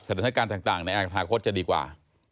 สถานการณ์ต่างในอนาคตจะดีกว่า